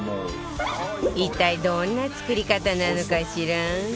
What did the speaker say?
一体どんな作り方なのかしら？